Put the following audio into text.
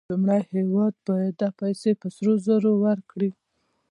لومړنی هېواد باید دا پیسې په سرو زرو ورکړي